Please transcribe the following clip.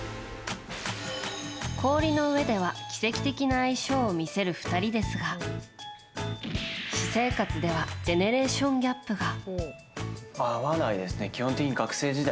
氷の上では奇跡的な相性を見せる２人ですが私生活ではジェネレーションギャップが。